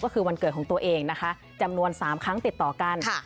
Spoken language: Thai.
ก็คือวันเกิดของตัวเองนะคะจำนวน๓ครั้งติดต่อกัน